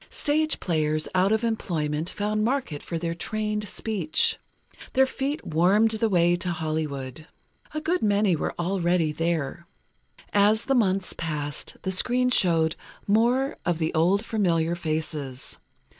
Stage players out of employment found market for their trained speech. Their feet warmed the way to Hollywood. A good many were already there. As the months passed, the screen showed more of the old familiar faces.